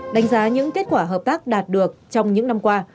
đánh giá những kết quả hợp tác đạt được trong những năm qua